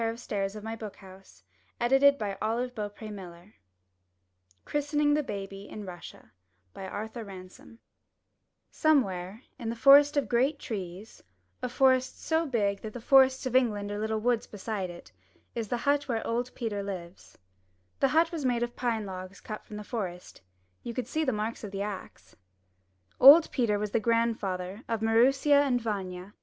<Ou3 217 M Y BOOK HOUSE i CHRISTENING THE IN RUSSIA* Arthur Ransome BABY Somewhere in the forest of great trees — a forest so big that the forests of England are Httle woods beside it — is the hut where old Peter lives. The hut was made of pine logs cut from the forest. You could see the marks of the axe. Old Peter was the grandfather of Maroosia and Vanya.